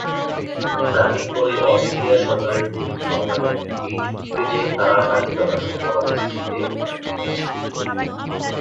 গালি পরে অস্ট্রেলিয়া সরকারের বিরুদ্ধে মামলা করেন, এই যুক্তিতে যে তারা তাকে যথাযথ পরামর্শ দিতে ব্যর্থ হয়েছে।